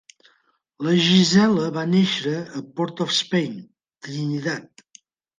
La Gisela va néixer a Port-of-Spain, Trinidad.